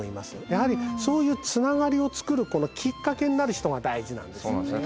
やはりそういうつながりを作るきっかけになる人が大事なんですよね。